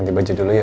nanti baju dulu ya